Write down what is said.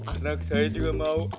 anak saya juga mau